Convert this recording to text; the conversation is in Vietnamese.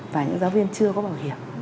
và những giáo viên chưa có bảo hiểm